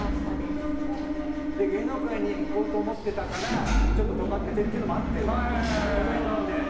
芸能界に行こうと思ってたからちょっととがっててっていうのも合ってるんだよね。